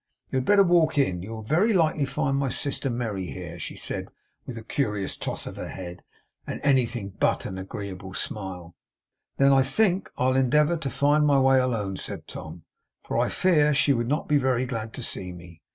You had better walk in. You will very likely find my sister Merry here,' she said with a curious toss of her head, and anything but an agreeable smile. 'Then, I think, I'll endeavour to find my way alone,' said Tom, 'for I fear she would not be very glad to see me.